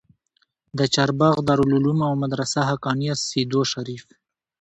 د چارباغ دارالعلوم او مدرسه حقانيه سېدو شريف